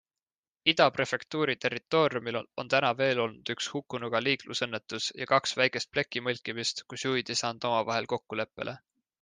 Ida-prefektuuri territooriumil on täna veel olnud üks hukkunuga liiklusõnnetus ja kaks väikest plekimõlkimist, kus juhid ei saanud omavahel kokkuleppele.